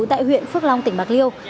tại huyện phước long tỉnh bạc liêu